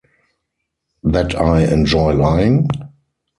That I enjoy lying?